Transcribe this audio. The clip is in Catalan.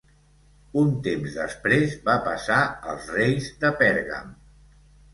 Un temps després va passar als reis de Pèrgam.